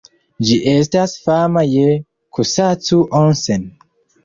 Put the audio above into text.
Ĝi estas fama je Kusacu-Onsen.